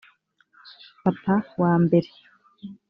papa wa mbere